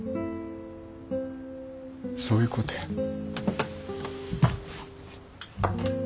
そういうことや。